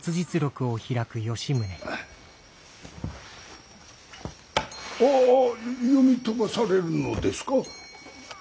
おお読み飛ばされるのですか。